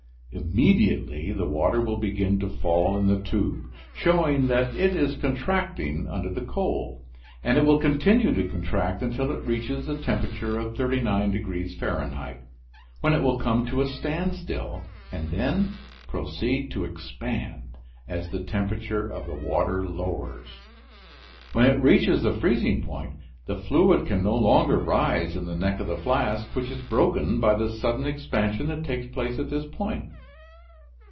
Immediately the water will begin to fall in the tube, showing that it is contracting under the cold, and it will continue to contract until it reaches a temperature of 39 degrees Fahrenheit, when it will come to a standstill and then proceed to expand as the temperature of the water lowers. When it reaches the freezing point the fluid can no longer rise in the neck of the flask, which is broken by the sudden expansion that takes place at this point.